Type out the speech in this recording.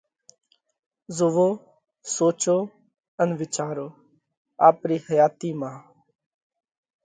زوئو، سوچو ان وِيچارو آپرِي حياتِي مانه!